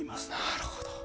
なるほど。